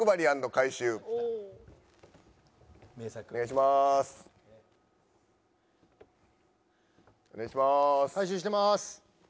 回収してます。